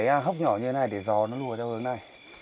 một cái hốc nhỏ như thế này để gió nó lùa theo hướng này